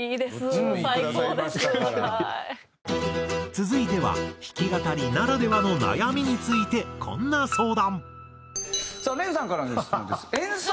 続いては弾き語りならではの悩みについてこんな相談。